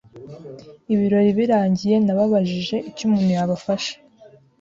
Ibirori birangiye nababajije icyo umuntu yabafasha